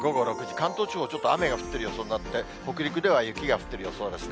関東地方、ちょっと雨が降ってる予想になって、北陸では雪が降ってる予想ですね。